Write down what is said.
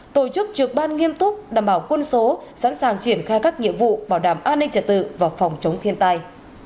tổ chức trược ban nghiêm túc đảm bảo quân số sẵn sàng triển khai các nhiệm vụ bảo đảm an ninh trật tự và phòng chống thiên tai